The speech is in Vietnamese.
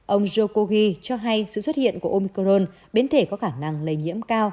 ông jokogi cho hay sự xuất hiện của omcron biến thể có khả năng lây nhiễm cao